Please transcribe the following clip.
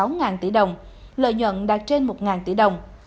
hòa bình đã đạt hơn một mươi sáu tỷ đồng lợi nhuận đạt trên một tỷ đồng